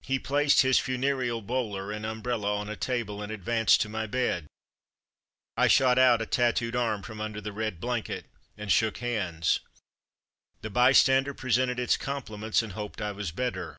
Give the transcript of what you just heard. He placed his funereal bowler and umbrella on a table and ad vanced to my bed. I shot out a tattooed arm from under the red blanket, and shook hands. The Bystander presented its compliments and hoped I was better.